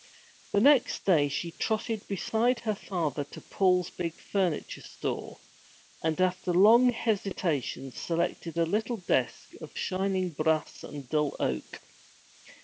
The next day she trotted beside her father to Paul's big furniture store, and after long hesitation selected a little desk of shining brass and dull oak.